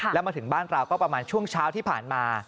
แล้วมาถึงบ้านเราก็ประมาณช่วงเช้าที่ผ่านมา